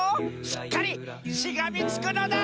しっかりしがみつくのだ！